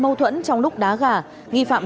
mâu thuẫn trong lúc đá gà nghi phạm